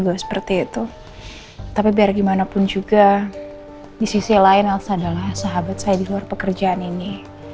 walaupun juga di sisi lain elsa adalah sahabat saya di luar pekerjaan ini